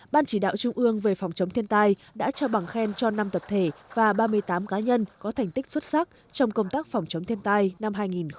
ban chỉ đạo trung ương về phòng chống thiên tai đã trao bằng khen cho năm tập thể và ba mươi tám cá nhân có thành tích xuất sắc trong công tác phòng chống thiên tai năm hai nghìn một mươi chín